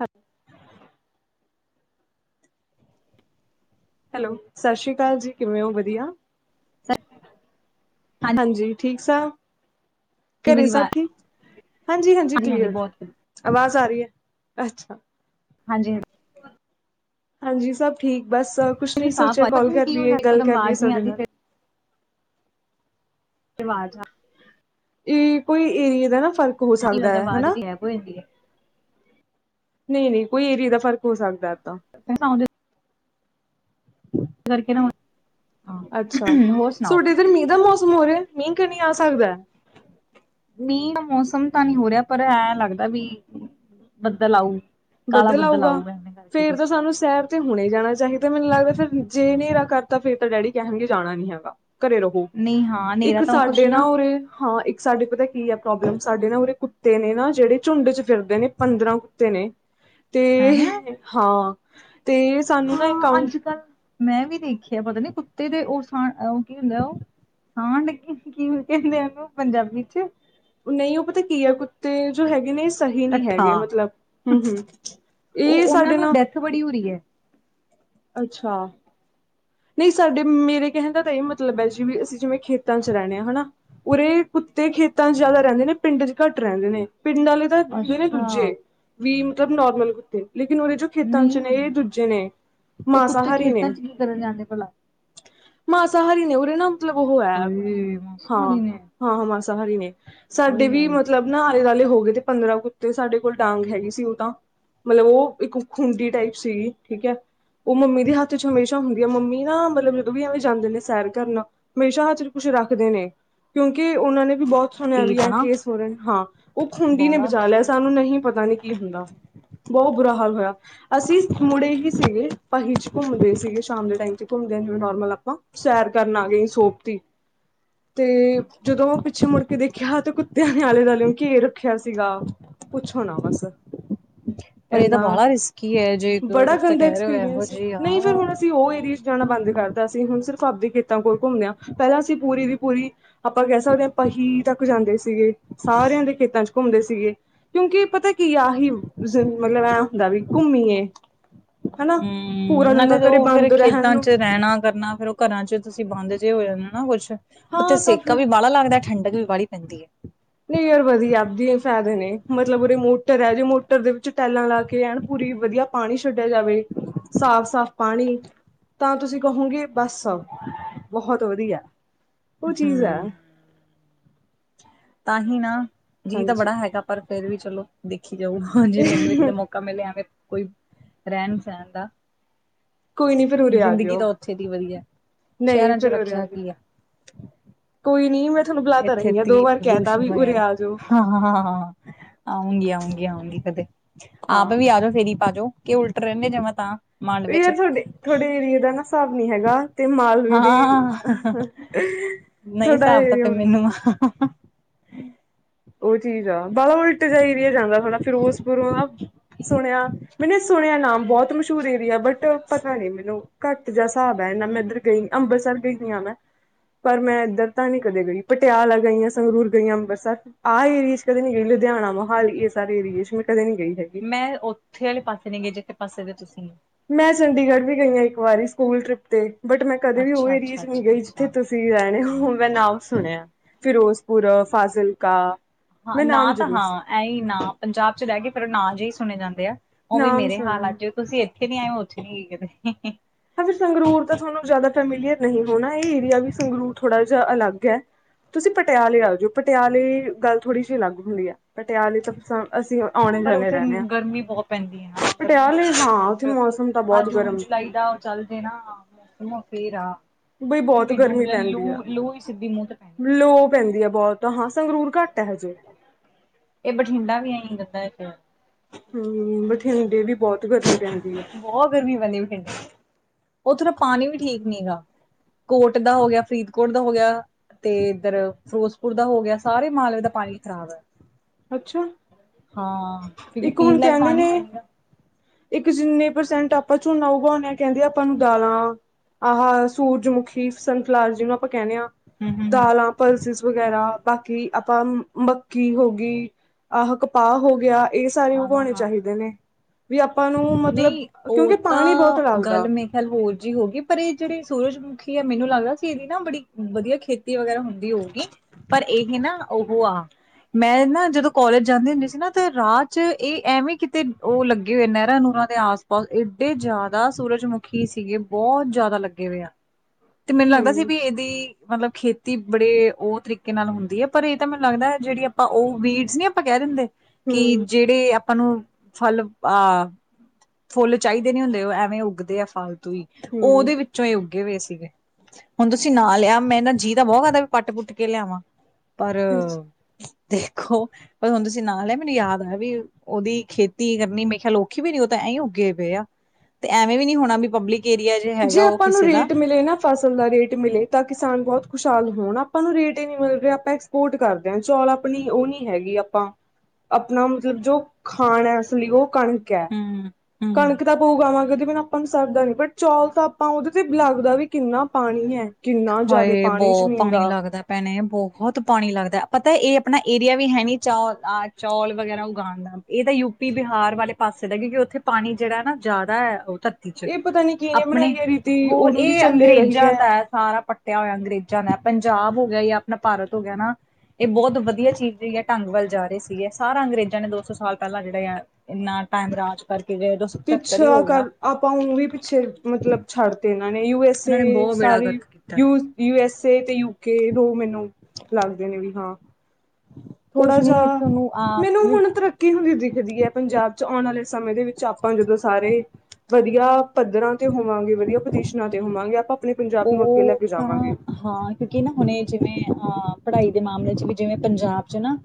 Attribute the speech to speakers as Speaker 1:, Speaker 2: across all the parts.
Speaker 1: ਹਾਂ। ਹੈਲੋ, 'ਸਤਿ ਸ੍ਰੀ ਅਕਾਲ ਜੀ'ਕਿਵੇਂ ਹੋ? ਵਧੀਆ। ਹਾਂਜੀ। ਠੀਕ ਸਬ। ਘਰੇ
Speaker 2: ਮੇਰੀ
Speaker 1: ਸਭ
Speaker 2: ਆਵਾਜ਼
Speaker 1: ਠੀਕ। ਹਾਂਜੀ- ਹਾਂਜੀ ਕਲੀਅਰ। ਆਵਾਜ਼ ਆ ਰਹੀ ਹੈ। ਅੱਛਾ।
Speaker 2: ਹਾਂਜੀ।
Speaker 1: ਹਾਂਜੀ। ਸਭ ਠੀਕ, ਬਸ ਕੁਛ
Speaker 2: ਮੈਨੂੰ
Speaker 1: ਨਹੀਂ
Speaker 2: ਸਾਫ਼
Speaker 1: ਸੋਚਿਆ
Speaker 2: ਆਈ ਪਤਾ
Speaker 1: ਕੋਲ
Speaker 2: ਨੀ
Speaker 1: ਕਰ
Speaker 2: ਕੀ ਹੋ
Speaker 1: ਲਈਏ
Speaker 2: ਜਾ ਇੱਕੋ
Speaker 1: ਗੱਲ
Speaker 2: ਦਮ
Speaker 1: ਕਰ ਲਈਏ
Speaker 2: ਆਵਾਜ਼ ਨੀ
Speaker 1: ਸਾਡੇ
Speaker 2: ਆਂਦੀ
Speaker 1: ਨਾਲ।
Speaker 2: ਫਿਰ ਰਿਵਾਜ਼ ਆ।
Speaker 1: ਇਹ ਕੋਈ ਏਰੀਏ ਦਾ ਨਾ ਫ਼ਰਕ ਹੋ
Speaker 2: ਕੀ
Speaker 1: ਸਕਦਾ
Speaker 2: ਹੁੰਦਾ
Speaker 1: ਹੈ
Speaker 2: ਆਵਾਜ਼
Speaker 1: ਹੈਨਾ।
Speaker 2: ਜਿਹੜੀ ਹੈ ਹੋ ਜਾਂਦੀ ਹੈ
Speaker 1: ਨਹੀਂ- ਨਹੀਂ। ਕੋਈ ਏਰੀਏ ਦਾ ਫਰਕ ਹੋ ਸਕਦਾ ਐਦਾ।
Speaker 2: ਤਾਂ ਤੇ। ਕਰਕੇ ਨਾ ਹੋਈ।
Speaker 1: ਅੱਛਾ। ਸੁਹਾਡੇ ਇੱਧਰ ਮੀਂਹ ਦਾ ਮੌਸਮ ਹੋ ਰਿਹਾ ਮੀਂਹ ਕਿ ਨੀ ਆ ਸਕਦੈ।
Speaker 2: ਮੀਂਹ ਤਾਂ ਮੌਸਮ ਤਾਂ ਨਹੀਂ ਹੋ ਰਿਹਾ ਪਰ ਐ ਲੱਗਦਾ ਵੀ ਬੱਦਲ ਆਊ। ਕਾਲਾ
Speaker 1: ਬਦਲ
Speaker 2: ਬੱਦਲ
Speaker 1: ਆਊਗਾ।
Speaker 2: ਆਊ ਐਵੇਂ ਕਰਕੇ
Speaker 1: ਫੇਰ
Speaker 2: ਕੁਛ
Speaker 1: ਤਾਂ ਸਾਨੂੰ ਸੈਰ ਤੇ ਹੁਣੇ ਹੀ ਜਾਣਾ ਚਾਹੀਦੈ ਮੈਨੂੰ ਲੱਗਦਾ ਫੇਰ ਜੇ ਹਨੇਰਾ ਕਰਤਾ ਫਿਰ ਤਾਂ ਡੈਡੀ ਕਹਿਣਗੇ ਜਾਣਾ ਨੀ ਹੈਗਾ। ਘਰੇ ਰਹੋ।
Speaker 2: ਨਹੀਂ ਹਾਂ
Speaker 1: ਇੱਕ
Speaker 2: ਹਨੇਰਾ ਤਾਂ ਉਹ ਕੁਛ
Speaker 1: ਸਾਡੇ ਨਾ ਉਰੇ ਹਾਂ ਇੱਕ ਸਾਡੇ ਪਤਾ ਕੀ ਆ ਪ੍ਰੋਬਲਮ, ਸਾਡੇ ਨਾ ਉੂਰੇ ਕੁੱਤੇ ਨੇ ਨਾ ਜਿਹੜੇ ਝੁੰਡ ਚ' ਫਿਰਦੇ ਨੇ ਪੰਦਰਾਂ ਕੁੱਤੇ ਨੇ।
Speaker 2: ਹੈਂ
Speaker 1: ਤੇ
Speaker 2: ਹੈਂ
Speaker 1: ਹਾਂ ਤੇ ਸਾਨੂੰ ਨਾ
Speaker 2: ਹਾਂ।
Speaker 1: ਅਕਾਊਂਟ
Speaker 2: ਅੱਜ ਕੱਲ, ਮੈਂ ਵੀ ਦੇਖਿਆ ਪਤਾ ਨੀ ਕੁੱਤੇ ਦੇ ਉਹ ਸਾ ਉਹ ਕੀ ਹੁੰਦਾ ਉਹ ਸਾਂਡ ਕਿ ਕਹਿੰਦੇ ਐ ੳਨੂੰ ਪੰਜਾਬੀ ਚ'
Speaker 1: ਨਹੀਂ ਉਹ ਪਤਾ ਕੀ ਆ ਕੁ ਤੇ ਜੋ ਹੈਗੇ ਨੇ ਸਹੀ ਨਹੀਂ ਹੈਗੇ
Speaker 2: ਟੱਠਾ
Speaker 1: ਮਤਲਬ, ਹੂ- ਹੂ, ਇਹ ਸਾਡੇ ਨਾਲ
Speaker 2: ਤੂੰ ਬੜੀ ਹੋ ਰਹੀ ਹੈ।
Speaker 1: ਅੱਛਾ। ਨਹੀਂ, ਸਾਡੇ ਮੇਰੇ ਕਹਿਣ ਦਾ ਤਾਂ ਇਹ ਮਤਲਬ ਹੈ ਜਿਂਵੇ, ਜਿਵੇਂ ਅਸੀ ਖੇਤਾਂ ਚ' ਰਹਿਣੇ ਆ। ਹੈਨਾ। ਉਰੇ ਕੁੱਤੇ ਖੇਤਾਂ ਚ' ਜ਼ਿਆਦਾ ਰਹਿੰਦੇ ਨੇ ਪਿੰਡ ਚ' ਘੱਟ ਰਹਿੰਦੇ ਨੇ। ਪਿੰਡ ਆਲੇ ਹੁੰਦੇ ਨੇ
Speaker 2: ਅੱਛਾ
Speaker 1: ਦੂਜੇ, ਵੀ ਮਤਲਬ ਨੋਰਮਲ ਕੁੱਤੇ, ਲੇਕਿਨ ਉਹਦੇ ਚ' ਖੇਤਾਂ ਚ' ਨੇ
Speaker 2: ਨਹੀਂ
Speaker 1: ਇਹ ਦੂਜੇ ਨੇ, ਮਾਸਾਹਾਰੀ ਨੇ।
Speaker 2: ਸਰਬਤ ਜਾਂਦੇ ਭਲਾ।
Speaker 1: ਮਾਸਾਹਾਰੀ ਨੇ ਉਰੇ ਨਾ ਮਤਲਬ ਉਹ ਹੈ।
Speaker 2: ਓਏ ਮਾਸੀ ਹੋਣੀ
Speaker 1: ਹਾਂ।
Speaker 2: ਨੇ
Speaker 1: ਹਾਂ- ਹਾਂ। ਮਾਸਾਹਾਰੀ ਨੇ
Speaker 2: ਓਏ
Speaker 1: ਸਾਡੇ ਵੀ
Speaker 2: ਹੋਏ
Speaker 1: ਮਤਲਬ ਆਲੇ- ਦੁਆਲੇ ਹੋ ਗਏ ਤੇ ਪੰਦਰਾਂ ਕੁੱਤੇ ਸਾਡੇ ਕੋਲ ਡਾਂਗ ਹੈਗੀ ਸੀ ਉਹ ਤਾਂ। ਮਤਲਬ ਉਹ, ਇੱਕ ਖੁੰਡੀ ਟਾਈਪ ਸੀਗੀ ਠੀਕ ਹੈ ਉਹ ਮੰਮੀ ਦੇ ਹੱਥ ਚ' ਹਮੇਸ਼ਾ ਹੁੰ ਮੰਮੀ ਨਾ ਮਤਲਬ ਜਦੋਂ ਵੀ ਐਵੇਂ ਜਾਂਦੇ ਨੇ ਸੈਰ ਕਰਣ, ਹਮੇਸ਼ਾ ਹੱਥ ਦੇ ਕੁੱਛ ਰੱਖਦੇ ਨੇ। ਕਿਉਂਕਿ ਉਹਨਾਂ ਨੇ ਵੀ ਬਹੁਤ ਸੁਣਿਆ ਵੀ
Speaker 2: ਠੀਕ ਆ
Speaker 1: ਐ
Speaker 2: ਨਾ
Speaker 1: ਕੇਸ ਹੋ ਰਹੇ ਹਾਂ। ਉਹ ਖੁੰਡੀ ਨੇ
Speaker 2: ਬਾਲਾ
Speaker 1: ਬਚਾ ਲਿਆ ‌। ਸਾਨੂੰ ਨਹੀਂ ਪਤਾ ਨੀ ਕੀ ਹੁੰਦਾ। ਬਹੁਤ ਬੁਰਾ ਹਾਲ ਹੋਇਆ। ਅਸੀਂ ਮੁੜੇ ਹੀ ਸੀਗੇ ਪਾਈ ਚ' ਘੁੰਮਦੇ ਸੀਗੇ। ਸ਼ਾਮ ਦੇ ਟਾਈਮ ਚ' ਘੁੰਮਦੇਿਆਂ ਜਿਵੇਂ ਨੋਰਮਲ ਆਪਾਂ ਸੈਰ ਕਰਨ ਆ ਗਏ ਸੋਪ ਦੀ। ਤੇ ਜਦੋਂ ਉਹ ਪਿੱਛੇ ਮੁੜ ਕੇ ਦੇਖਿਆ ਤੇ ਕੁੱਤਿਆਂ ਨੇ ਆਲੇ -ਦੁਿਓ ਘੇਰ ਸ਼ਸੀ ਅਕਾਲ। ਪੁੱਛੋ ਨਾ ਬਸ।
Speaker 2: ਪਰ ਇਹ ਤਾਂ
Speaker 1: ਇਨਾ,
Speaker 2: ਬਾਲਾ ਰਿਸਕੀ ਹੈ ਜੇ
Speaker 1: ਬੜਾ
Speaker 2: ਤੁਸੀਂ ਤਾਂ
Speaker 1: ਗੰਦਾ
Speaker 2: ਕਹਿ ਰਹੇ ਹੋ ਇਹੋ
Speaker 1: ਐਕਸਪੀਰੀਅੰਸ ਸੀ
Speaker 2: ਜਿਹੀ ਆ
Speaker 1: ਨਹੀਂ ਫੇਰ
Speaker 2: ਹਮ
Speaker 1: ਹੁਣ ਤੇ ਉਹ ਏਰੀਏ 'ਚ ਜਾਣਾ ਬੰਦ ਕਰ ਦਿੱਤਾ ਸੀ, ਹੁਣ ਸਿਰਫ ਆਪਦੇ ਖੇਤਾਂ ਕੋਲ ਘੁੰਮਦੇ ਹਾਂ ਪਹਿਲਾਂ ਅਸੀਂ ਪੂਰੀ ਦੀ ਪੂਰੀ। ਆਪਾਂ ਕਹਿ ਸਕਦੇ ਹਾਂ, ਪਹੀ ਤੱਕ ਜਾਂਦੇ ਸੀਗੇ ਸਾਰਿਆਂ ਦੇ ਖੇਤਾਂ 'ਚ। ਘੁੰਮਦੇ ਸੀਗੇ, ਕਿਉਂਕਿ ਪਤਾ ਕੀ ਆਹੀ ਮਤਲਬ ਐ ਹੁੰਦਾ ਵੀ ਘੁੰਮੀਏ ‌।
Speaker 2: ਹਮ, ਨਾਲੇ
Speaker 1: ਘਰੇ
Speaker 2: ਉਹ ਫਿਰ
Speaker 1: ਬੰਦ ਰਹਿਣ
Speaker 2: ਖੇਤਾਂ
Speaker 1: ਨੂੰ
Speaker 2: 'ਚ। ਰਹਿਣਾ ਕਰਨਾ ਫ਼ੇਰ ਉਹ ਘਰਾਂ 'ਚ ਤੁਸੀਂ ਬੰਦ ਜਿਹੇ ਹੋ ਜਾਂਦੇ ਨਾ ਕੁਛ ਉੱਥੇ
Speaker 1: ਹਾਂ ਤਾਂ
Speaker 2: ਸੇਕਾ
Speaker 1: ਫਿਰ
Speaker 2: ਵੀ ਬਾਹਲਾ ਲੱਗਦਾ। ਠੰਡਕ ਵੀ ਵਾਲੀ ਪੈਂਦੀ ਹੈ।
Speaker 1: ਨਹੀਂ ਯਾਰ ਵਧੀਆ ਆਪਦੇ ਫਾਇਦੇ ਨੇ ਮਤਲਬ ਉਰੇ ਮੋਟਰ ਹੈ ਜੇ ਮੋਟਰ ਦੇ ਵਿੱਚ ਟੈਲਾਂ ਲਾ ਕੇ ਹੈਨਾ। ਪੂਰੀ ਵਧੀਆ ਪਾਣੀ ਛੱਡਿਆ ਜਾਵੇ, ਸਾਫ਼- ਸਾਫ਼ ਪਾਣੀ, ਤਾਂ ਤੁਸੀਂ ਕਹੋਗੇ। ਬਸ ਸਭ ਬਹੁਤ ਵਧੀਆ ਉਹ ਚੀਜ਼
Speaker 2: ਹਮ
Speaker 1: ਐ।
Speaker 2: ਤਾਂਹੀ ਨਾ ਜੀਅ ਤਾਂ
Speaker 1: ਹਾਂਜੀ
Speaker 2: ਬੜਾ ਹੈਗਾ ਪਰ ਫੇਰ ਵੀ ਚਲੋ ਦੇਖੀ ਜਾਊ ਜੇ ਮੈਨੂੰ ਵੀ ਕਦੇ ਮੌਕਾ। ਮੌਕਾ ਮਿਲਿਆ ਐਵੇਂ ਕੋਈ ਰਹਿਣ ਸਹਿਣ ਦਾ।
Speaker 1: ਕੋਈ ਨੀ ਫਿਰ ਉਰੇ ਆ
Speaker 2: ਜ਼ਿੰਦਗੀ
Speaker 1: ਜਾਇਓ
Speaker 2: ਤਾਂ ਉੱਥੇ ਦੀ ਵਧੀਆ,
Speaker 1: ਨਹੀਂ
Speaker 2: ਸ਼ਹਿਰਾਂ 'ਚ
Speaker 1: ਫਿਰ ਉਰੇ ਆ
Speaker 2: ਰੱਖਿਆ
Speaker 1: ਜਾਇਓ
Speaker 2: ਕੀ ਐ।
Speaker 1: ਕੋਈ ਨੀ ਮੈਂ ਤੁਹਾਨੂੰ [unintelligible]
Speaker 2: ਇੱਥੇ
Speaker 1: ਹਾਂ ਦੋ
Speaker 2: ਤੀਹ
Speaker 1: ਵਾਰ ਕਹਿ ਤਾ
Speaker 2: ਪ੍ਰਦੂਸ਼ਣ
Speaker 1: ਵੀ ਉਰੇ
Speaker 2: ਵਗੈਰਾ,
Speaker 1: ਆ ਜਾਓ
Speaker 2: ਹਾਂ -ਹਾਂ-ਹਾਂ ਆਊਗੀ -ਆਊਂਗੀ -ਆਊਂਗੀ ਕਦੇ, ਆਪ
Speaker 1: ਹਾਂ
Speaker 2: ਵੀ ਆ ਜਾਓ ਫੇਰੀ ਪਾ ਜਾਓ ਕਿ ਉਲਟੇ ਰਹਿੰਦੇ ਜਮਾਂ ਤਾਂ। ਮਾਂਡਵੇ
Speaker 1: ਵੀ ਏ
Speaker 2: ਚ
Speaker 1: ਤੁਹਾਡੇ, ਤੁਹਾਡੇ ਏਰੀਏ ਦਾ ਨਾ ਹਿਸਾਬ ਨੀ ਹੈਗਾ ਤੇ ਮਾਲਵੇ ਦੇ। [inaudible]
Speaker 2: ਹਾਂ ਨਹੀਂ ਹਿਸਾਬ ਤਾਂ ਤੇ ਫਿਰ
Speaker 1: ਏਰੀਆ
Speaker 2: ਮੈਨੂੰ ਮ
Speaker 1: ਉਹ ਚੀਜ਼ ਆ ਬਾਹਾ ਉਲਟੇ ਏਰੀਆ 'ਚ ਆਉਂਦਾ ਫਿਰੋਜ਼ਪੁਰ ਸੁਣਿਆ। ਮੈਨੇ ਸੁਣਿਆ ਨਾਮ ਬਹੁਤ ਮਸ਼ਹੂਰ ਏਰੀਆ ਬਟ ਪਤਾ ਨੀ ਮੈਨੂੰ ਘੱਟ ਜਾ ਹਿਸਾਬ ਹੈ ਇਨਾ ਮੈਂ ਇੱਧਰ। ਗਈ, ਅੰਮ੍ਰਿਤਸਰ ਗਈ ਹਾਂ ਮੈਂ। ਪਰ ਮੈਂ ਇੱਧਰ ਤਾਂ ਨਹੀਂ ਕਦੇ ਗਈ, ਪਟਿਆਲਾ ਗਈ ਹਾਂ ਸੰਗਰੂਰ ਗਈਆਂ ਅੰਬਰਸਰ। ਆਹ ਏਰੀਏ 'ਚ ਕਦੇ ਨੀ ਗਈ, ਲੁਧਿਆਣਾ ਮੋਹਾਲੀ ਇਹ ਸਾਰੇ ਏਰੀਏ 'ਚ ਮੈਂ ਕਦੇ ਨੀ ਗਈ ਹੈਗੀ।
Speaker 2: ਮੈਂ ਉੱਥੇ ਵਾਲੇ ਪਾਸੇ ਨਹੀ ਗਈ, ਜਿੱਥੇ ਪਾਸੇ ਦੇ ਤੁਸੀਂ ਹੋ।
Speaker 1: ਮੈਂ ਚੰਡੀਗੜ੍ਹ ਵੀ ਗਈ ਹਾਂ ਇੱਕ ਵਾਰੀ ਸਕੂਲ ਟ੍ਰਿਪ ਤੇ ਬਟ ਮੈਂ ਕਦੇ ਵੀ ਉਹ
Speaker 2: ਅੱਛਾ
Speaker 1: ਏਰੀਏ
Speaker 2: ਅੱਛਾ
Speaker 1: 'ਚ ਨਹੀਂ
Speaker 2: ਅੱਛਾ
Speaker 1: ਗਈ ਜਿੱਥੇ
Speaker 2: ਅੱਛਾ
Speaker 1: ਤੁਸੀਂ। ਤੇ ਰਹਿਣੇ ਉਹ, ਮੈਂ ਨਾਮ ਸੁਣਿਆ, ਫਿਰੋਜ਼ਪੁਰ, ਫਾਜ਼ਿਲਕਾ।
Speaker 2: ਹਾਂ
Speaker 1: ਮੈਂ
Speaker 2: ਨਾ
Speaker 1: ਨਾਮ
Speaker 2: ਤਾਂ
Speaker 1: ਜ਼ਰੂਰ ਸੁ
Speaker 2: ਹਾਂ ਐ ਹੀ ਨਾ ਪੰਜਾਬ 'ਚ ਰਹਿ ਕੇ ਫਿਰ ਨਾ ਜੇਹੇ ਹੀ ਸੁਣੇ ਜਾਂਦੇ ਆ। ਉਹ ਵੀ
Speaker 1: ਨਾਮ
Speaker 2: ਮੇਰੇ ਹਾਲ
Speaker 1: ਸੁਣਿਆ
Speaker 2: ਅਜ ਤੁਸੀਂ ਇੱਥੇ ਨੀ ਆਏ ਮੈਂ ਉੱਥੇ ਨੀ ਗਈ ਕਿਤੇ।
Speaker 1: ਹਾਂਜੀ ਸੰਗਰੂਰ ਤਾਂ ਤੁਹਾਨੂੰ ਜ਼ਿਆਦਾ ਫੈਮੀਲੀਅਰ ਨਹੀਂ ਹੋਣਾ ਇਹ ਏਰੀਆ ਵੀ ਸੰਗਰੂਰ ਥੋੜਾ ਜਿਹਾ ਅਲੱਗ ਹੈ। ਤੁਸੀਂ ਪਟਿਆਲੇ ਆ ਜਾਓ, ਪਟਿਆਲੇ, ਗੱਲ ਥੋੜ੍ਹੀ ਜਿਹੀ ਅਲੱਗ ਹੁੰਦੀ ਹੈ, ਪਟਿਆਲੇ ਤਾਂ ਮਸਾਂ। ਅਸੀਂ ਆਉਣੇ
Speaker 2: ਪਰ
Speaker 1: ਜਾਣੇ
Speaker 2: ਉੱਥੇ
Speaker 1: ਰਹਿੰਦੇ ਹਾਂ,
Speaker 2: ਗਰਮੀ ਬਹੁਤ ਪੈਂਦੀ ਹੈ ਨਾ ਗਰਮੀ
Speaker 1: ਪਟਿਆਲੇ, ਹਾਂ ਉੱਥੇ ਮੌਸਮ ਤਾਂ ਬਹੁਤ ਗਰਮ।
Speaker 2: ਚਾਈਦਾ। ਚੱਲਦੇ ਨਾ ਫੇਰ ਆ,
Speaker 1: ਬਈ ਬਹੁਤ
Speaker 2: ਕਿਉਂਕਿ ਜੂ ਲੂ ਲੂ ਹੀ ਸਿੱਧੀ ਮੂੰਹ ਤੇ ਪੈਣੀ। ਹੈ।
Speaker 1: ਲੂ ਪੈਂਦੀ ਹੈ ਬਹੁਤ, ਹਾਂ ਸੰਗਰੂਰ ਘੱਟ ਹੈ ਹਜੇ।
Speaker 2: ਇਹ ਬਠਿੰਡਾ ਵੀ ਐਂਈ ਕਰਦਾ ਐੰਹ ਤਰਾਂ।
Speaker 1: ਹਮ, ਬਠਿੰਡੇ ਵੀ ਬਹੁਤ ਗਰਮੀ ਪੈਂਦੀ ਐ।
Speaker 2: ਬਹੁਤ ਗਰਮੀ ਪੈਂਦੀ ਬਠਿੰਡੇ, ਉਥੋਂ ਦਾ ਪਾਣੀ ਵੀ ਠੀਕ ਨੀ ਗਾ। ਕੋਟ ਦਾ ਹੋ ਗਿਆ, ਫ਼ਰੀਦਕੋਟ ਦਾ ਹੋ ਗਿਆ ਤੇ ਇੱਧਰ ਫਿਰੋਜ਼ਪੁਰ ਦਾ ਹੋ ਗਿਆ, ਸਾਰੇ ਮਾਲਵੇ ਦਾ ਪਾਣੀ ਖਰਾਬ ਹੈ
Speaker 1: ਅੱਛਾ
Speaker 2: ਹਾਂ, ਕਿਉਂਕਿ
Speaker 1: ਇੱਕ
Speaker 2: ਪੀਣ
Speaker 1: ਹੁਣ
Speaker 2: ਲਾਇਕ
Speaker 1: ਕਹਿੰਦੇ
Speaker 2: ਪਾਣੀਂ
Speaker 1: ਨੇ ਇੱਕ ਜਿੰਨੇ ਪ੍ਰਸੈਂਟ ਆਪਾਂ ਝੋਨਾਂ ਉਗਾਉਂਦੇ ਹਾਂ, ਕਹਿੰਦੇ ਆਪਾਂ ਨੂੰ ਦਾਲਾਂ ਆਹ ਸੂਰਜਮੁਖੀ, ਸਨਫਲਾਰਜ, ਜਿਹਨੂੰ ਆਪਾਂ ਕਹਿੰਦੇ ਹਾਂ
Speaker 2: ਹੂੰ-ਹੂੰ-ਹੂੰ।
Speaker 1: ਦਾਲਾਂ ਪਲਸਿਸ ਵਗੈਰਾ, ਬਾਕੀ ਆਪਾਂ ਮੱਕੀ ਹੋ ਗਈ, ਆਹ ਕਪਾਹ ਹੋ ਗਿਆ ਇਹ ਸਾਰੇ ਉਗਾਉਣੇ
Speaker 2: ਹਾਂ-ਹਾਂ-ਹਾਂ।
Speaker 1: ਚਾਹੀਦੇ ਨੇ, ਵੀ ਆਪਾਂ ਨੂੰ ਮਤਲਬ,
Speaker 2: ਨਈ
Speaker 1: ਕਿਉਂਕਿ ਪਾਣੀ ਬਹੁਤ ਲੱਗਦਾ
Speaker 2: ਲੇ ਹੋਰ ਜਹੀ ਹੋ ਗਈ, ਪਰ ਇਹ ਜਿਹੜੀ ਸੂਰਜ਼ ਮੁੁਖੀ ਹੈ ਮੈਨੂੰ ਲੱਗਦਾ ਸੀ, ਇਹਦੀ ਨਾ ਬੜੀ ਵਧੀਆਂ ਖ਼ੇਤੀ ਵਗ਼ੈਰਾ ਹੁੰਦੀ ਹੋਗੀ। ਪਰ ਇਹ ਨਾ ਉਹ ਆ, ਮੈਂ ਨਾ ਜਦੋਂ ਕੋਲੇਜ ਜਾਂਦੀ ਹੁੰਦੀ ਸੀ ਨਾ ਤੇ ਰਾਤ 'ਚ ਇਹ ਐਵੇਂ ਕਿਤੇ ਉਹ ਲੱਗੇ ਹੋਏ ਨਹਿਰਾਂ ਨੂਰਾਂ ਦੇ ਆਸ ਪਾਸ, ਏਡੇ ਜ਼ਿਆਦਾ ਸੂਰਜਮੁਖੀ ਸੂਰਜ ਮੁਖੀ ਸੀਗੇ, ਬਹੁਤ ਜ਼ਿਆਦਾ ਲੱਗੇਂ ਹੋਏ।
Speaker 1: [inaudible]
Speaker 2: ਤੇ ਮੈਨੂੰ ਲੱਗਦਾ ਸੀ ਵੀ ਇਹਦੀ ਮਤਲਬ ਖ਼ੇਤੀ ਬੜੇ ਉਹ ਤਰੀਕ਼ੇ ਨਾਲ ਹੁੰਦੀ ਹੈ, ਪਰ ਇਹ ਤਾਂ ਮੈਨੂੰ ਲੱਗਦਾ ਜਿਹੜੀ ਆਪਾਂ ਉਹ ਵੀਡਸ ਨੀ ਆਪਾਂ ਕਹਿ ਦਿੰਦੇ ਕਿ
Speaker 1: ਹਮ
Speaker 2: ਜਿਹੜੇ ਆਪਾਂ ਨੂੰ ਫ਼ਲ ਅਹ ਫੁੱਲ ਚਾਹੀਦੇ ਨੀ ਹੁੰਦੇ, ਉਹ ਐਵੇਂ ਉੱਗਦੇ ਆ ਫ਼ਾਲਤੂ ਹੀ ਉਹ
Speaker 1: ਹਮ
Speaker 2: ਉਹਦੇ ਵਿੱਚੋਂ ਹੀ ਉ ਲਗੇ ਹੋਏ ਸੀਗੇ, ਹੁਣ ਤੁਸੀਂ ਨਾ ਲਿਆ ਮੈਂ ਨਾ ਜੀਅ ਦਾ ਬਹੁਤ ਕਰਦਾ ਵੀ ਪੱਟ ਪੁੱਟ ਕੇ ਲਿਆਵਾਂ। ਪਰ,
Speaker 1: ਅੱਛਾ
Speaker 2: ਦੇਖੋਂ ਪਰ ਹੁਣ ਤੁਸੀਂ ਨਾਲ ਹੈ ਮੈਨੂੰ ਯਾਦ ਆ, ਵੀ ਉਹਦੀ ਖੇਤੀ ਕਰਨੀਂ ਮੈਂ ਕਿਹਾਂ ਔਖੀ ਵੀ ਨੀ ਇਹੀ ਉੱਗੇ ਪਏ ਆ, ਤੇ ਐਵੇਂ ਵੀ ਨੀ ਹੋਣਾਂ ਵੀ ਪਬਲਿਕ ਏਰੀਆ
Speaker 1: ਜੇ
Speaker 2: ਹੈਗਾ ਉਹ
Speaker 1: ਆਪਾਂ ਨੂੰ
Speaker 2: ਕਿਸੇ ਦਾ
Speaker 1: ਰੇਟ ਮਿਲ਼ੇ ਨਾ ਫਸਲ ਦਾ ਰੇਟ ਮਿਲੇ ਤਾਂ ਕਿਸਾਨ ਬਹੁਤ ਖੁਸ਼ਹਾਲ ਹੋਣ, ਆਪਾਂ ਨੂੰ ਰੇਟ ਹੀ ਨਹੀਂ ਮਿਲ ਰਿਹਾਂ ਆਪਾਂ ਕੋੋਟ ਕਰਦੇ ਹਾਂ, ਚੌਲ ਆਪਣੀ ਉਹ ਨੀ ਹੈਗੀ ਆਪਾਂ ਆਪਣਾਂ ਮਤਲਬ ਜੋ ਖਾਣ ਹੈ ਅਸਲ਼ੀ, ਉਹ ਕਣਕ ਹੈ।
Speaker 2: ਹਮ। ਹਮ
Speaker 1: ਕਣਕ ਤਾਂ ਊਗਾਵਾਂ ਉਹਦੇ ਬਿਨਾ ਵੀ ਨਾ ਆਪਾਂ ਨੂੰ ਸਰਦਾ ਨੀ, ਪਰ ਚੌਲ ਤਾਂ ਆਪਾਂ ਉਹਦੇ ਤੇ ਲੱਗਦਾ ਵੀ ਕਿੰਨਾ ਪਾਣੀਂ ਹੈ। ਕਿੰਨਾ ਜ਼ਿਆਦਾ
Speaker 2: ਹਾਏ!
Speaker 1: ਪਾਣੀ
Speaker 2: ਬਹੁਤ
Speaker 1: ਜ਼ਮੀਨ
Speaker 2: ਪਾਣੀਂ
Speaker 1: ਦਾ
Speaker 2: ਲੱਗਦਾ ਭੈਣੇਂ ਬਹੁਤ ਪਾਣੀ ਲੱਗਦਾ, ਪਤਾ ਇਹ ਆਪਣਾ ਏਰੀਆ ਵੀ ਹੈ ਨੀ 'ਚ ਆਹ ਚੌਲ ਵਗ਼ੈਰਾ ਉਗਾਉਣ ਦਾ। ਇਹ ਤਾਂ ਯੂਪੀ, ਬਿਹਾਰ ਵਾਲ਼ੇ ਪਾਸੇ ਦਾਂ ਕਿਉਂਕਿ ਉੱਥੇ ਪਾਣੀ ਜਿਹੜਾ ਨਾ ਜ਼ਿਆਦਾ ਹੈ। ਉਹ ਤਾਂ
Speaker 1: ਇਹ ਪਤਾ ਨੀ ਕਿਹਨੇ
Speaker 2: ਆਪਣੇਂ
Speaker 1: ਬਣਾਈ ਹੈ ਰੀਤੀ
Speaker 2: ਹੋਰ,
Speaker 1: ਉਦੋਂ ਦੀ
Speaker 2: ਇਹ
Speaker 1: ਚੱਲੇ ਰਹੀ
Speaker 2: ਅੰਗਰੇਜ਼ਾਂ
Speaker 1: ਹੈ
Speaker 2: ਦਾ- ਸਾਰਾ ਪੱਟਿਆ ਹੋਇਆਂ ਅੰਗਰੇਜ਼ਾਂ ਨੇ, ਪੰਜਾਬ ਹੋ ਗਿਆਂ ਜਾਂ ਆਪਣਾ ਭਾਰਤ ਹੋ ਗਿਆਂ ਨਾ। ਇਹ ਬਹੁਤ ਵਧੀਆ ਚੀਜ਼ ਜਿਹੜੀ ਹੈ ਢੰਗ ਵੱਲ ਜਾ ਰਹੇਂ ਸੀਗੇ, ਸਾਰਾ ਅੰਗਰੇਜ਼ਾਂ ਨੇ ਦੋ ਸੌ ਸਾਲ ਪਹਿਲਾਂ ਜਿਹੜਾ ਆ ਇੰਨਾ ਟਾਈਮ ਰਾਜ ਕਰਕੇ ਪਚੱਤਰ ਹੀ
Speaker 1: ਪਿੱਛਾ
Speaker 2: ਹੋ ਗਿਆ
Speaker 1: ਕਰ, ਆਪਾਂ ਹੁਣ ਵੀ ਪਿੱਛੇ ਮਤਲਬ ਛੱਡ ਤੇ ਇਹਨਾਂ ਨੇ ਯੂ ਐਸ ਏ
Speaker 2: ਇਹਨਾਂ ਨੇ
Speaker 1: ਵਿੱਚ
Speaker 2: ਬਹੁਤ ਬੇੜਾ ਗਰਕ ਕੀਤਾ
Speaker 1: ਸਾਰੀ--ੇ ਯੂ ਐਸ ਏ ਤੇ ਯੂਕੇ ਦੋ ਮੈਨੂੰ ਲੱਗਦੇ ਨੇ ਵੀ, ਹਾਂ ਥੋੜਾ
Speaker 2: ਕੁਛ
Speaker 1: ‌
Speaker 2: ਨੀ
Speaker 1: ਜੇਹਾਂ,
Speaker 2: ਤੁਹਾਨੂੰ
Speaker 1: ਮੈਨੂੰ
Speaker 2: ਆਪ
Speaker 1: ਹੁਣ ਕੀ ਸਥਿਤੀ ਦਿਖਦੀ ਹੈ ਪੰਜਾਬ 'ਚ, ਆਉਣ ਵਾਲ਼ੇ ਸਮੇਂ ਦੇ ਵਿੱਚ ਆਪਾਂ ਜਦੋਂ ਸਾਰੇ ਵਧੀਆਂ ਪੱਧਰਾਂ ਤੇ ਹੋਵਾਂਗੇ, ਵਧੀਆਂ ਪੋਜੀਸ਼ਨਾ ਤੇ ਹੋਵਾਂਗੇ, ਆਪਾਂ ਆਪਣੇ ਪੰਜਾਬ ਨੂੰ ਅੱਗੇ ਲੈ
Speaker 2: ਉਹ
Speaker 1: ਕੇ
Speaker 2: ਤਾਂ
Speaker 1: ਜਾਵਾਂਗੇ।
Speaker 2: ਹਾਂ ਕਿਉਂਕਿ ਨਾ ਹੁਣੇ ਜਿਵੇਂ, ਅਹ ਪੜ੍ਹਾਈ ਦੇ ਮਾਮਲੇ 'ਚ ਵੀ ਜਿਵੇਂ ਪੰਜਾਬ 'ਚ ਨਾ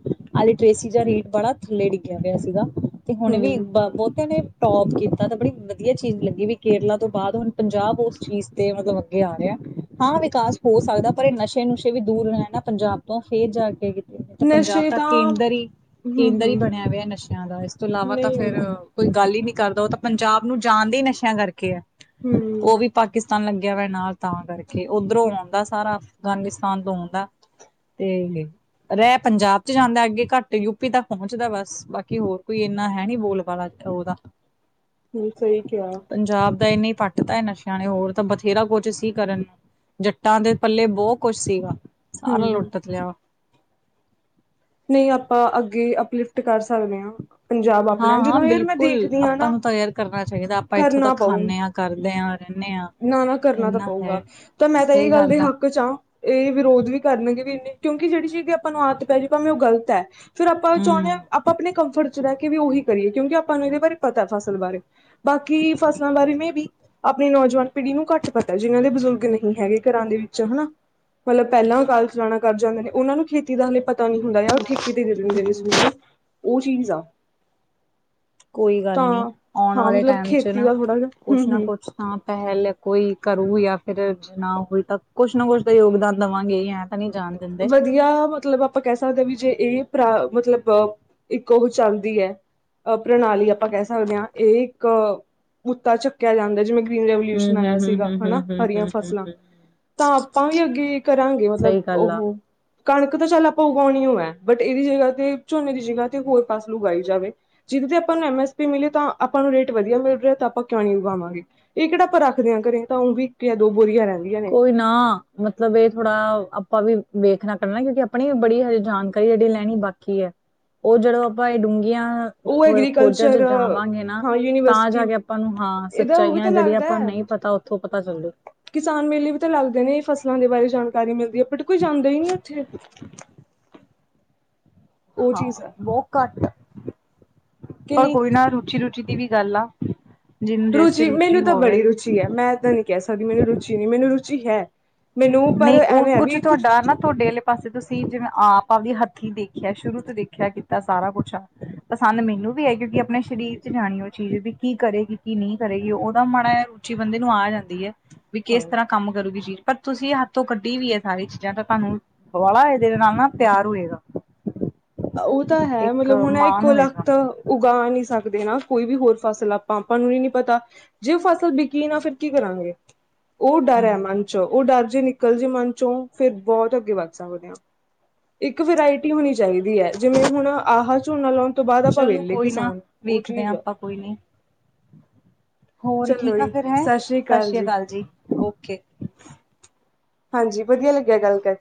Speaker 2: ਅੱਜਟਰੇਸੀ ਜਾਂ ਰੇਟ ਬੜਾਂ ਥੱਲੇ ਡਿੱਗਿਆਂ ਪਿਆ ਸੀਗਾ, ਤੇ ਹੁਣੇ ਵੀ
Speaker 1: ਹਮ
Speaker 2: ਬਹੁਤਿਆਂ ਨੇ ਟੋਪ ਕੀਤਾਂ ਤਾਂ ਬੜੀ ਵਧੀਆਂ ਚੀਜ਼ ਲੱਗੀ, ਵੀ ਕੇਰਲਾ ਤੋਂ ਬਾਅਦ ਹੁਣ ਪੰਜਾਬ ਉਸ ਚੀਜ਼ ਤੇ ਮਤਲਬ ਅਗੇ ਆ ਰਿਹਾਂ, ਹਾਂ ਵਿਕਾਸ ਹੋ ਸਕਦਾਂ ਪਰ ਇਹ ਨਸ਼ੇ ਨੁਸ਼ੇ ਵੀ ਦੂਰ ਰਹਿਣ ਨਾ ਪੰਜਾਬ ਤੋਂ ਫੇਰ ਜਾਂ ਕੇ ਤਾਂ ਪੰਜਾਬ ਤਾਂ ਕੇਂਦਰ ਹੀ,
Speaker 1: ਹਮ
Speaker 2: ਕੇਂਦਰ ਹੀ
Speaker 1: ਹਮ
Speaker 2: ਬਣਿਆਂ ਹੋਇ ਨਸ਼ਿਆਂ ਦਾ ਇਸ ਤੋਂ ਇਲਾਵਾ ਤਾਂ
Speaker 1: ਨਹੀਂ ਨਹੀਂ
Speaker 2: ਫੇਰ ਕੋਈ ਗੱਲ ਹੀ ਨਹੀਂ ਕਰਦਾਂ, ਉਹ ਤਾਂ ਪੰਜਾਬ ਨੂੰ ਜਾਂਣਦੇ ਹੀ ਨਸ਼ਿਆਂ ਕਰਕੇ ਹੈ।
Speaker 1: ਹਮ।
Speaker 2: ਉਹ ਵੀ ਪਾਕਿਸਤਾਨ ਲੱਗਿਆਂ ਵਾ ਨਾਲ ਤਾਂ ਕਰਕੇ, ਉੱਧਰੋਂ ਆਉਂਦਾ ਸਾਰਾ, ਅਫ਼ਗ਼ਾਨਿਸਤਾਨ ਤੋਂ ਆਉਂਦਾ ਤੇ- ਰਹਿ ਪੰਜਾਬ 'ਚ ਜਾਂਦਾ, ਅੱਗੇ ਘੱਟ ਯੂਪੀ ਤੱਕ ਪਹੁੰਚਦਾ ਬਸ, ਬਾਕੀ ਹੋਰ ਕੋਈ ਇੰਨਾ ਹੈ ਨੀ ਬੋਲ ਵਾਲਾ। ਉਹਦਾ
Speaker 1: ਹਮ, ਸਹੀ ਕਿਹਾ।
Speaker 2: ਪੰਜਾਬ ਦਾ ਇੰਨੀੇ ਪੱਟ ਤਾਂ ਹੈ ਨਸ਼ਿਆਂ ਨੇ ਹੋਰ ਤਾਂ ਬਥੇਰਾ ਕੋ ਜ ਸੀ ਕਰਨ ਜੱਟਾਂ ਦੇ ਪੱਲੇ ਬਹੁ ਕੁਛ ਸੀਗਾ ਸਾਰਾ
Speaker 1: ਹਮ
Speaker 2: ਲੁੱਟ ਲਿਆ
Speaker 1: ਨਹੀਂ ਆਪਾਂ ਅੱਗੇ ਅਪਲਿਫਟ ਕਰ ਸਕਦੇ ਹਾਂ ਪੰਜਾਬ
Speaker 2: ਹਾਂ
Speaker 1: ਆਪਣਾ
Speaker 2: ਹਾਂ
Speaker 1: ਜਦੋਂ ਯਾਰ ਮੈਂ
Speaker 2: ਬਿਲਕੁਲ
Speaker 1: ਦੇਖਦੀ ਹਾਂ
Speaker 2: ਆਪਾਂ
Speaker 1: ਨਾ
Speaker 2: ਨੂੰ ਤਾਂ ਯਾਰ ਕਰਨਾ ਚਾਹੀਦਾ ਆਪਾਂ ਇੱਥੋਂ ਤੱਕ ਖਾਂਨੇ ਆਂ, ਕਰਦੇ ਆਂ, ਰਹਿੰਨੇ ਆਂ
Speaker 1: ਨਾ ਨਾ ਕਰਨਾ ਤਾਂ ਪਊਗਾ ਤਾਂ ਮੈਂ ਤਾਂ
Speaker 2: ਸਹੀ
Speaker 1: ਇਹ ਗੱਲ ਦੇ
Speaker 2: ਆ
Speaker 1: ਹੱਕ ਚ ਆਂ ਇਹ ਵਿਰੋਧ ਵੀ ਕਰਨਗੇ ਵੀ ਇੰਨੇ ਕਿਉਂਕਿ ਜਿਹੜੀ ਸੀਗੀ ਆਪਾਂ ਨੂੰ ਆਦਤ ਪੈਜੇ ਗ਼ਲਤ ਹੈ ਫੇਰ ਆਪਾਂ ਚਾਹੁੰਨੇ ਆਂ
Speaker 2: ਹਮ
Speaker 1: ਆਪਾਂ ਆਪਣੇ ਕੰਫਰਟ ਚ ਰਹਿ ਕੇ ਵੀ ਉਹੀ ਕਰੀਏ ਕਿਉਂਕਿ ਆਪਾਂ ਨੂੰ ਇਹਦੇ ਬਾਰੇ ਪਤਾ ਫਸਲ ਬਾਰੇ ਬਾਕੀ ਫਸਲਾਂ ਬਾਰੇ ਮੇ ਬੀ ਆਪਣੀ ਨੌਜਵਾਨ ਪੀੜ੍ਹੀ ਨੂੰ ਘੱਟ ਪਤਾ ਜਿਹਨਾਂ ਦੇ ਬਜ਼ੁਰਗ ਨਹੀਂ ਹੈਗੇ ਘਰਾਂ ਦੇ ਵਿੱਚ ਹਨਾ ਮਲਬ ਪਹਿਲਾਂ ਅਕਾਲ ਚਲਾਣਾ ਕਰ ਜਾਂਦੇ ਨੇ ਉਹਨਾਂ ਨੂੰ ਖੇਤੀ ਦਾ ਪ ਪਤਾ ਨੀ ਹੁੰਦਾ ਯਾਰ ਉਹ ਠੇਕੇ ਤੇ ਦੇ ਦਿੰਦੇ ਨੇ ਜ਼ਮੀਨ ਉਹ ਚੀਜ਼ ਆ
Speaker 2: ਕੋਈ ਗੱਲ ਨੀ
Speaker 1: ਤਾਂ
Speaker 2: ਆਉਣ
Speaker 1: ਹਾਂ
Speaker 2: ਵਾਲੇ
Speaker 1: ਮਤਲਬ
Speaker 2: ਟਾਈਮ ਚ
Speaker 1: ਖੇਤੀ
Speaker 2: ਨਾ
Speaker 1: ਦਾ ਥੋੜਾ ਜਿਹਾ
Speaker 2: ਕੁਛ ਨਾ
Speaker 1: ਹੂੰ-ਹੂੰ
Speaker 2: ਕੁਛ ਤਾਂ ਪਹਿਲ ਕੋਈ ਕਰੂ ਯਾ ਫਿਰ ਨਾ ਹੋਈ ਤਾਂ ਕੁਛ ਨਾ ਕੁਛ ਤਾਂ ਯੋਗਦਾਨ ਦਵਾਂਗੇ ਐਂ ਤਾਂ ਨਹੀਂ ਜਾਣ ਦਿੰਦੇ
Speaker 1: ਵਧੀਆ ਮਤਲਬ ਆਪਾਂ ਕਹਿ ਸਕਦੇ ਹਾਂ ਵੀ ਜੇ ਇਹ ਪਰਾ ਮਤਲਬ ਇੱਕੋ ਚੱਲਦੀ ਐ ਅ ਪ੍ਰਣਾਲੀ ਆਪਾਂ ਕਹਿ ਸਕਦੇ ਹਾਂ ਇਹ ਇੱਕ ਮੱਤਾ ਚੱਕਿਆ ਜਾਂਦਾ ਜਿਵੇਂ ਰੀਨ
Speaker 2: ਹੂੰ
Speaker 1: ਰਵੋਲਿਊਸ਼ਨ
Speaker 2: ਹੂੰ
Speaker 1: ਆਇਆ
Speaker 2: ਹੂੰ
Speaker 1: ਸੀਗਾ
Speaker 2: ਹੂੰ ਹੂੰ
Speaker 1: ਹਨਾ
Speaker 2: ਹੂੰ
Speaker 1: ਹਰੀਆਂ
Speaker 2: ਹੂੰ ਹੂੰ
Speaker 1: ਫਸਲਾਂ
Speaker 2: ਹੂੰ
Speaker 1: ਤਾਂ ਆਪਾਂ ਵੀ ਅੱਗੇ ਕਰਾਂਗੇ ਮਤਲਬ
Speaker 2: ਸਹੀ ਗੱਲ ਆ
Speaker 1: ਉਹ ਕਣਕ ਤਾਂ ਚੱਲ ਆਪਾਂ ਉਗਾਉਣੀ ਹੋ ਐ ਬਟ ਇਹਦੀ ਜਗ੍ਹਾ ਤੇ ਝੋਨੇ ਦੀ ਜਗ੍ਹਾ ਤੇ ਹੋਰ ਫ਼ਸਲ ਉਗਾਈ ਜਾਵੇ ਜਿਦੇ ਤੇ ਆਪਾਂ ਨੂੰ ਐਮ ਐਸ ਪੀ ਮਿਲੇ ਤਾਂ ਆਪਾਂ ਨੂੰ ਰੇਟ ਵਧੀਆ ਮਿਲ ਰਿਹਾ ਤਾਂ ਆਪਾਂ ਕਿਉਂ ਨੀ ਉਗਾਵਾਂਗੇ ਇਹ ਕਿਹੜਾ ਆਪਾ ਰੱਖਦੇ ਆ ਘਰੇ ਤਾਂ ਉਹ ਵੀ ਇੱਕ ਜਾਂ ਦੋ ਬੋਰੀਆਂ ਰਹਿ
Speaker 2: ਕੋਈ ਨਾ ਹਾਂ ਮਤਲਬ ਇਹ ਥੋੜਾ ਆਪਾਂ ਵੀ ਵੇਖਣਾ ਕਰਨਾ ਕਿਉਂਕਿ ਆਪਣੀ ਬੜੀ ਹਜੇ ਜਾਣਕਾਰੀ ਜਿਹੜੀ ਲੈਣੀ ਬਾ ਕੀ ਐ ਉਹ ਜਦੋਂ ਆਪਾਂ ਇਹ ਡੂੰਘੀਆਂ
Speaker 1: ਉਹ
Speaker 2: ਖੋ ਖੋਜਾਂ ਚ
Speaker 1: ਐਗਰੀਕਲਚਰ
Speaker 2: ਜਾਵਾਂਗੇ ਨਾ
Speaker 1: ਹਾਂ
Speaker 2: ਤਾਂ ਜਾ ਕੇ
Speaker 1: ਯੂਨੀਵਰਸਿਟੀ
Speaker 2: ਆਪਾਂ ਨੂੰ ਹਾਂ
Speaker 1: ਇਹਦਾ ਉਹ ਵੀ
Speaker 2: ਸੱਚਾਈਆਂ
Speaker 1: ਤਾਂ
Speaker 2: ਜਿਹੜੀਆਂ
Speaker 1: ਲੱਗਦਾ
Speaker 2: ਆਪਾਂ ਨੂੰ
Speaker 1: ਹੈ
Speaker 2: ਨਹੀਂ ਪਤਾ ਉੱਥੋਂ ਪਤਾ ਚੱਲਦੇ
Speaker 1: ਕਿਸਾਨ ਮੇਲੇ ਵੀ ਤਾਂ ਲੱਗਦੇ ਨੇ ਫਸਲਾਂ ਦੇ ਬਾਰੇ ਜਾਣਕਾਰੀ ਮਿਲਦੀ ਹੈ ਬਟ ਕੋਈ ਜਾਂਦਾ ਹੀ ਨਹੀਂ ਉੱਥੇ
Speaker 2: [unintelligible]
Speaker 1: ਉਹ
Speaker 2: ਹਾਂ
Speaker 1: ਚੀਜ਼ ਹੈ
Speaker 2: ਬਹੁਤ ਘੱਟ ਆ
Speaker 1: ਕਿ
Speaker 2: ਪਰ
Speaker 1: ਨਹੀਂ
Speaker 2: ਕੋਈ ਨਾ ਰੁਚੀ ਰੁਚੀ ਦੀ ਵੀ ਗੱਲ ਆ ਜਿਹਨੂੰ ਜਿਸ ਚ
Speaker 1: ਰੁਚੀ ਮੈਨੂੰ ਤਾਂ
Speaker 2: ਹੋਵੇ
Speaker 1: ਬੜੀ ਰੁਚੀ ਹੈ ਮੈਂ ਤਾਂ ਨਹੀਂ ਕਹਿ ਸਕਦੀ ਮੈਨੂੰ ਰੁਚੀ ਨਹੀਂ ਮੈਨੂੰ ਰੁਚੀ ਹੈ ਮੈਨੂੰ ਪਰ ਐਵੇਂ ਹੈ ਵੀ ਕੁਛ
Speaker 2: ਤੋਹਡੇ ਵਾਲੇ ਪਾਸੇ ਤੁਸੀਂ ਜਿਵੇਂ ਆਪਦੀ ਹੱਥੀ ਦੇਖਿਆ ਸ਼ੁਰੂ ਤੋਂ ਦੇਖਿਆ ਕਿ ਕੀਤਾ ਸਾਰਾ ਕੁੱਛ ਆ ਪਸੰਦ ਮੈਨੂੰ ਵੀ ਐ ਕਿਉਂਕਿ ਆਪਣੇ ਸਰੀਰ ਚ ਜਾਣੀ ਉਹ ਚੀਜ਼ ਵੀ ਕੀ ਕਰੇਗੀ ਕੀ ਨਹੀਂ ਕਰੇਗੀ ਉਹਦਾ ਮਾੜਾ ਐ ਉੱਚੀ ਬੰਦੇ ਨੂੰ ਆ ਜਾਂਦੀ ਹੈ ਵੀ ਕਿਸ
Speaker 1: ਹਾਂ
Speaker 2: ਤਰ੍ਹਾਂ ਕੰਮ ਕਰੂਗੀ ਜੀ ਪਰ ਤੁਸੀਂ ਹੱਥੋਂ ਕੱਢੀ ਵੀ ਹੈ ਸਾਰੀ ਚੀਜ਼ਾਂ ਤਾਂ ਤੁਹਾਨੂੰ ਵਾਲਾ ਇਹਦੇ ਨਾਲ ਨਾ ਪਿਆਰ ਹੋਏਗਾ
Speaker 1: ਉਹ ਤਾਂ ਹੈ
Speaker 2: ਇੱਕ
Speaker 1: ਮਤਲਬ ਹੁਣ
Speaker 2: ਮਾਣ
Speaker 1: ਇੱਕੋ
Speaker 2: ਹੋਏਗਾ
Speaker 1: ਲੱਤ ਉਗਾ ਨਹੀਂ ਸਕਦੇ ਨਾ ਕੋਈ ਵੀ ਹੋਰ ਫਸਲ ਆਪਾਂ ਆਪਾਂ ਨੂੰ ਹੀ ਨੀ ਪਤਾ ਜੇ ਉਹ ਫਸਲ ਵਿਕੀ ਨਾ ਫਿਰ ਕੀ ਕਰਾਂਗੇ ਉਹ ਡਰ ਹੈ ਮਨ ਚ ਉਹ ਡਰ ਜੇ ਨਿ ਅਕਲ ਜੀ ਮਨ ਚੋਂ ਫਿਰ ਬਹੁਤ ਅੱਗੇ ਵੱਧ ਸਕਦੇ ਹ ਇੱਕ ਵਰਾਇਟੀ ਹੋਣੀ ਚਾਹੀ ਵੀ ਹੈ ਜਿਵੇਂ ਹੁਣ ਆਹ ਝੋਨਾ ਲਾਉਣ ਤੋਂ ਬਾਅਦ ਆਪਾਂ
Speaker 2: ਚਲੋ
Speaker 1: ਵੇਹਲੇ
Speaker 2: ਕੋਈ ਨਾ
Speaker 1: ਕਿਸਾਨ ਉਹ
Speaker 2: ਵੇਖਦੇ ਹਾਂ
Speaker 1: ਚੀਜ਼ ਆ
Speaker 2: ਆਪਾਂ ਕੋਈ ਨੀ ਹੋਰ ਠੀਕ ਆ ਫਿਰ ਹੈ ਸਤਿ ਸ੍ਰੀ ਕਾਲ ਜੀ ਓਕੇ
Speaker 1: ਹਾਂਜੀ ਵਧੀਆ ਲੱਗਿਆ ਗੱਲ ਕਰ